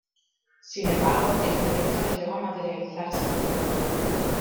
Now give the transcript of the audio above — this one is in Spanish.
Sin embargo, el proyecto no llegó a materializarse.